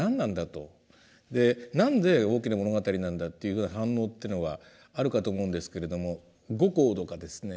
何で大きな物語なんだっていう反応っていうのがあるかと思うんですけれども「五劫」とかですね